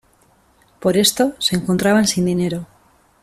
Por esto, se encontraba sin dinero.